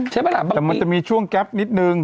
ใช่ปะล่ะแต่มันจะมีช่วงแก๊ปนิดนึง